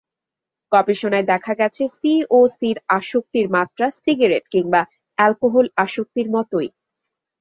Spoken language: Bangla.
গবেষণায় দেখা গেছে, সিওসির আসক্তির মাত্রা সিগারেট কিংবা অ্যালকোহল আসক্তির মতোই।